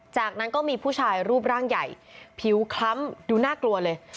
จากนั้นก็มีผู้ชายรูปร่างใหญ่ผิวคล้ำดูน่ากลัวเลย